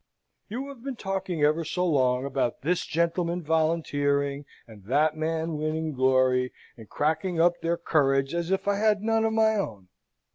You have been talking ever so long about this gentleman volunteering, and that man winning glory, and cracking up their courage as if I had none of my own.